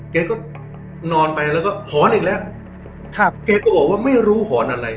แกก็นอนไปแล้วก็หอนอีกแล้วครับแกก็บอกว่าไม่รู้หอนอะไร